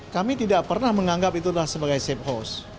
kami tidak pernah menganggap itu adalah sebagai safe house